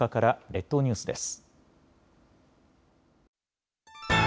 列島ニュースです。